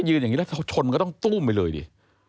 ไปยืนอย่างนี้และชนมันก็ต้องตู้มไปเลยดิ